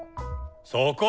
そこ！